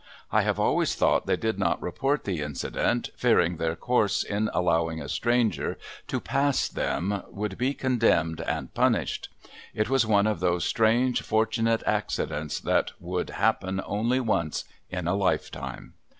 I have always thought they did not report the incident, fearing their course in allowing a stranger to pass them would be condemned and punished. It was one of those strange fortunate accidents that could happen only once in a lifetime.